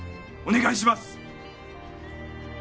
お願いします